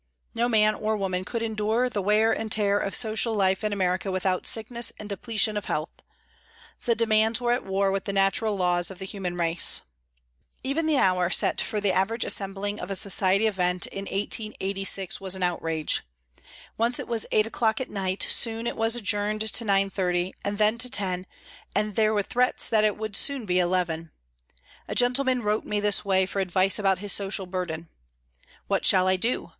No man or woman could endure the wear and tear of social life in America without sickness and depletion of health. The demands were at war with the natural laws of the human race. Even the hour set for the average assembling of a "society event" in 1886 was an outrage. Once it was eight o'clock at night, soon it was adjourned to nine thirty, and then to ten, and there were threats that it would soon be eleven. A gentleman wrote me this way for advice about his social burden: "What shall I do?